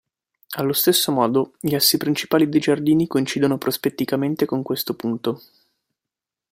Allo stesso modo, gli assi principali dei giardini coincidono prospetticamente con questo punto.